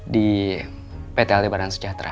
di pt lt badan sejahtera